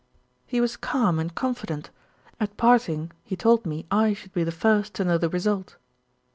"He was calm and confident. At parting he told me I should be the first to know the result."